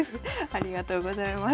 ありがとうございます。